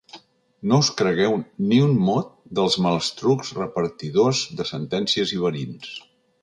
No us cregueu ni un mot dels malastrucs repartidors de sentències i verins.